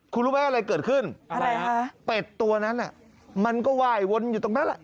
คุณรู้ไหมอะไรเกิดขึ้นอะไรฮะเป็ดตัวนั้นมันก็ไหว้วนอยู่ตรงนั้นแหละ